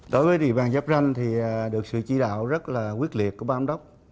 đối với địa bàn giáp ranh được sự chỉ đạo rất quyết liệt của ba ông đốc